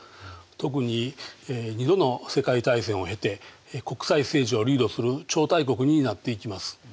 特に２度の世界大戦を経て国際政治をリードする超大国になっていきます。